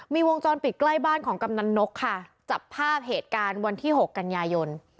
มีวงจรปิดใกล้บ้านของกำนันนกค่ะจับภาพเหตุการณ์วันที่๖กันยายน